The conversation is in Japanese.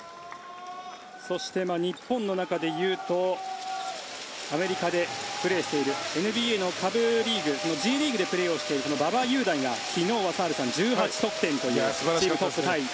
そして日本の中でいうとアメリカでプレーしているＮＢＡの下部リーグＧリーグでプレーしている馬場雄大が昨日は１８得点というチームタイ。